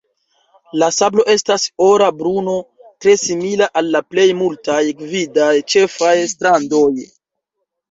La sablo estas ora bruno, tre simila al la plej multaj gvidaj ĉefaj strandoj.